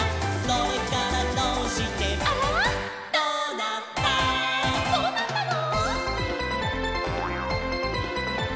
「どうなったの？」